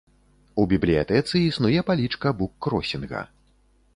У бібліятэцы існуе палічка буккросінга.